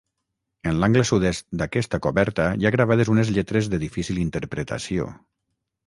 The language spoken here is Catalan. En l'angle sud-est d'aquesta coberta hi ha gravades unes lletres de difícil interpretació.